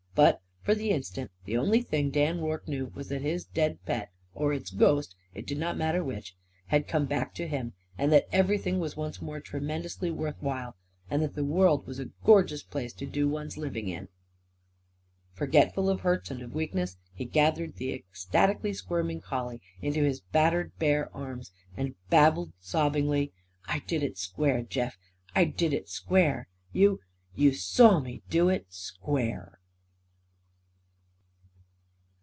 But, for the instant, the only thing Dan Rorke knew was that his dead pet or its ghost, it did not matter which had come back to him; and that everything was once more tremendously worth while and that the world was a gorgeous place to do one's living in. Forgetful of hurts and of weakness, he gathered the ecstatically squirming collie into his battered bare arms and babbled sobbingly: "I did it, square, Jeff. I did it, square! You you saw me do it, SQUARE."